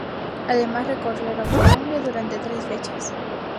Además, recorrieron Colombia durante tres fechas.